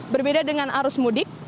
berbeda dengan arus mudik